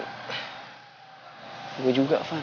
dan lo jujur siapa yang lo minta bantu